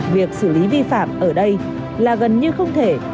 việc xử lý vi phạm ở đây là gần như không thể